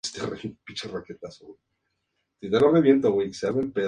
Posteriormente, se mencionaron algunos plebeyos de este nombre.